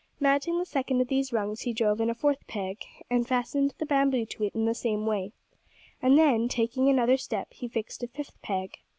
Mounting the second of these rungs he drove in a fourth peg, and fastened the bamboo to it in the same way, and then, taking another step, he fixed a fifth peg.